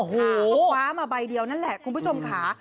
โอ้โฮคุณผู้ชมขามาใบเดียวนั่นแหละ